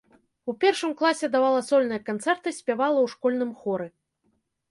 У першым класе давала сольныя канцэрты, спявала ў школьным хоры.